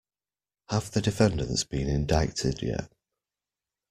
Have the defendants been indicted yet?